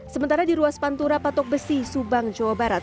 sementara di ruas pantura patok besi subang jawa barat